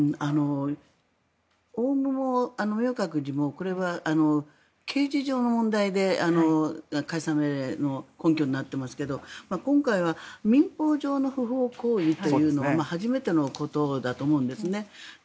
オウムも明覚寺もこれは刑事上の問題で解散命令の根拠になっていますが今回は民法上の不法行為というのが初めてのことだと思うんですね。